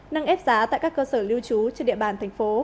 nâng ép giá tại các cơ sở lưu trú trên địa bàn thành phố